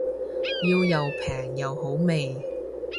要又平又好味